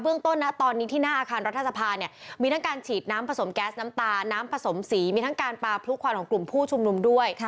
ต้นนะตอนนี้ที่หน้าอาคารรัฐสภาเนี่ยมีทั้งการฉีดน้ำผสมแก๊สน้ำตาน้ำผสมสีมีทั้งการปลาพลุกควันของกลุ่มผู้ชุมนุมด้วย